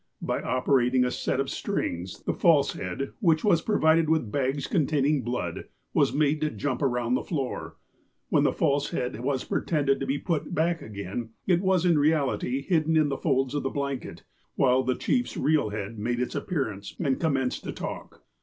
By operating a set of strings, the false head, which was provided with bags containing blood, was made to jump around the floor. When the false head was pretended to be put back again, it was in reality hidden in the folds of the blanket, while the chief's real head made its appearance and commenced to talk.